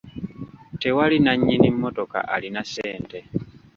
Tewali nnannyini mmotoka alina ssente.